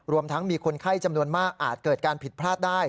ทั้งมีคนไข้จำนวนมากอาจเกิดการผิดพลาดได้